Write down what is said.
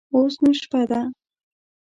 اوس نو شپه ده.